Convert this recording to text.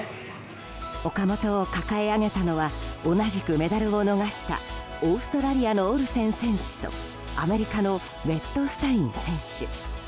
岡本を抱え上げたのは同じくメダルを逃したオーストラリアのオルセン選手とアメリカのウェットスタイン選手。